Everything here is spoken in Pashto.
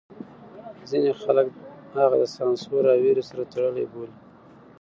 ځینې خلک هغه د سانسور او وېرې سره تړلی بولي.